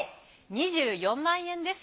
２４万円です。